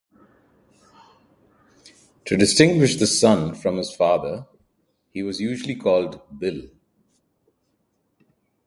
To distinguish the son from his father, he was usually called "Bill".